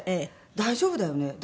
「大丈夫だよ！」って。